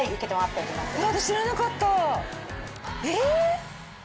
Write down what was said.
えっ！？